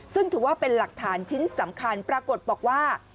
ซึ่งถือว่าเป็นหลักฐานชิ้นสำคัญปรากฏบอกว่า